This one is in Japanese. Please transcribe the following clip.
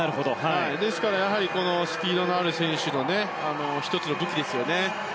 ですから、スピードのある選手の１つの武器ですよね。